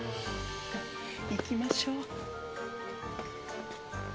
行きましょう。